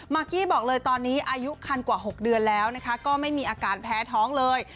กี้บอกเลยตอนนี้อายุคันกว่า๖เดือนแล้วนะคะก็ไม่มีอาการแพ้ท้องเลย